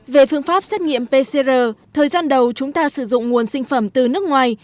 về phương pháp xét nghiệm pcr thời gian đầu chúng ta sử dụng nguồn sinh phẩm từ nước ngoài